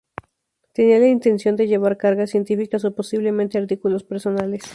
Tenía la intención de llevar cargas científicas o, posiblemente, artículos personales.